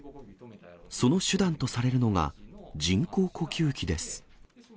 その手段とされるのが、人工呼吸器です。